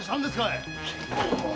い⁉